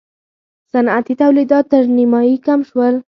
صنعتي تولیدات تر نییمایي کم شول.